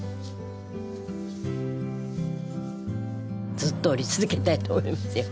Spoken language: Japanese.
ずっと織り続けたいと思いますよ